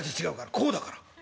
こうだから。